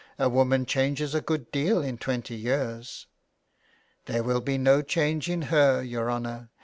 A woman changes a good deal in twenty years." ''There will be no change in her, your honour.